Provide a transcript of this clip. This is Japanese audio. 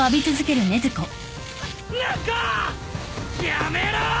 やめろー！